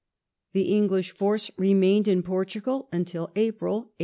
The English force remained in Portugal until April, 1828.